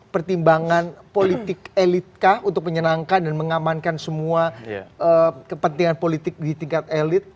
pertimbangan politik elit kah untuk menyenangkan dan mengamankan semua kepentingan politik di tingkat elit